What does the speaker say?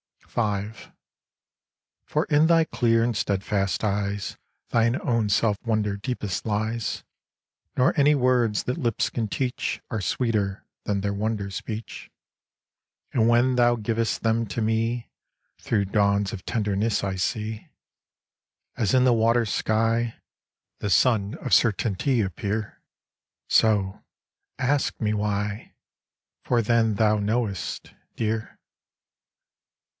V For in thy clear and steadfast eyes Thine own self wonder deepest lies, Nor any words that lips can teach Are sweeter than their wonder speech. And when thou givest them to me, Through dawns of tenderness I see, As in the water sky, The sun of certainly appear. So, ask me why, For then thou knowest, Dear.